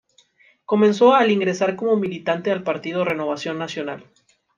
Comenzó al ingresar como militante al partido Renovación Nacional.